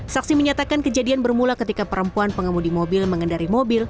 saksi menyatakan kejadian bermula ketika perempuan pengemudi mobil mengendari mobil